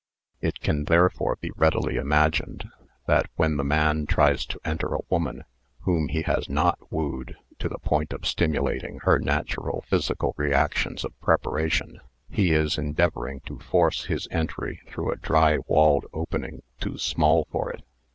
It can therefore be readily imagined that when the man tries to enter a woman whom he has not wooed to the point of stimu lating her natural physical reactions of preparation, he is endeavouring to force his entry through a dry f walled opening too small for it.